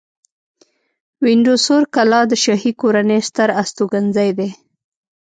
وینډسور کلا د شاهي کورنۍ ستر استوګنځی دی.